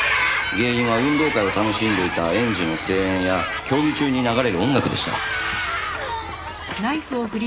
原因は運動会を楽しんでいた園児の声援や競技中に流れる音楽でした。